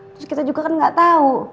terus kita juga kan gak tau